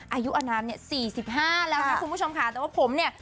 อายุอนามเนี่ย๔๕แล้วนะคุณผู้ชมค่ะแต่ว่าผมเนี่ย